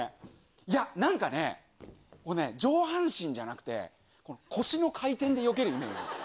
いや、なんかね、上半身じゃなくて、この腰の回転でよけるイメージ。